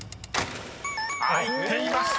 ［入っていました。